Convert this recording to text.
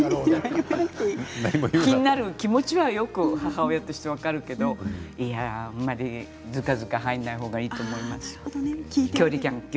気になる気持ちは母親として分かるけどいや、あんまりずかずか入らないほうがいいと思います。